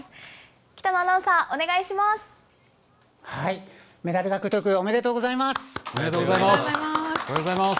北野アナウンサー、お願いします。